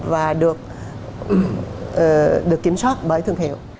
và được kiểm soát bởi thương hiệu